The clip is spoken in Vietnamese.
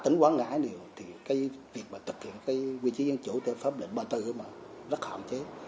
tỉnh quảng ngãi điều thì việc thực hiện quy trí dân chủ theo pháp lệnh ba mươi bốn rất hạn chế